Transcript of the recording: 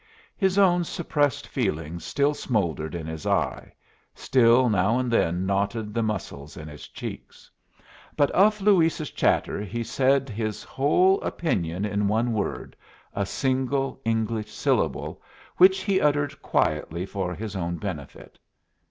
His own suppressed feelings still smouldered in his eye, still now and then knotted the muscles in his cheeks; but of Luis's chatter he said his whole opinion in one word, a single English syllable, which he uttered quietly for his own benefit.